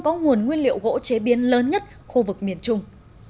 có nguồn nguyên liệu gỗ chế biến lớn nhất khu vực miền trung